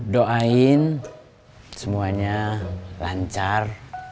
doain semuanya lancar